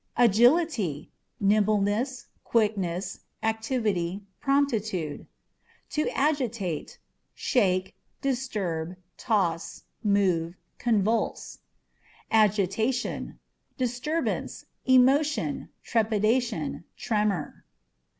Agility â€" nimbleness, quickness, activity, promptitude. To Agitate â€" shake, disturb, toss, move, convulse. Agitationâ€" disturbance, emotion, trepidation, tremor.